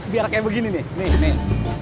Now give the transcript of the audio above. biar kayak begini nih nih nih